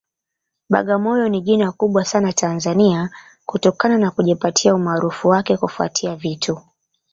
Bagamoyo ni jina kubwa sana Tanzania kutokana na kujipatia umaarufu wake kufuatia vitu